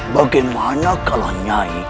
bagaimana kalau nyai